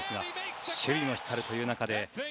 守備も光るという中で。